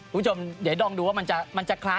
โปรดติดตามต่อไป